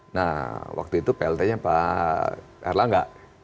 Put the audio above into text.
nah waktu itu plt nya pak erlangga